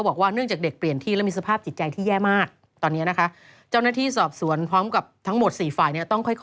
ไปเรื่องนี้ดีกว่าอันนี้ต้องเปิดเผยซึ่งนิดนึง